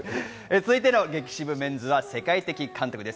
続いての激渋メンズは世界的監督です。